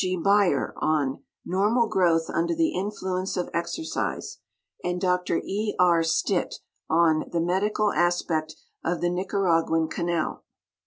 G. Beyer, on "Normal Growth under the Influence of Exercise," and Dr E. K. Stitt, on "The Medical Aspect of tlie Nicaraguan Canal."'